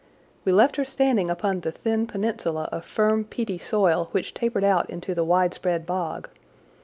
We left her standing upon the thin peninsula of firm, peaty soil which tapered out into the widespread bog.